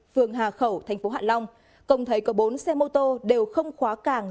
phường hà khẩu tp hạ long công thấy có bốn xe mô tô đều không khóa càng